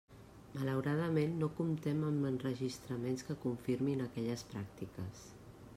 Malauradament, no comptem amb enregistraments que confirmin aquelles pràctiques.